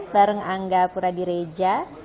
bareng angga puradireja